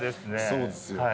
そうですよ。